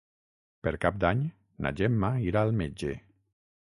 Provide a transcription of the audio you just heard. Per Cap d'Any na Gemma irà al metge.